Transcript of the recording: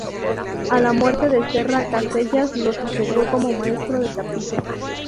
A la muerte de Serra, Casellas lo sucedió como maestro de capilla.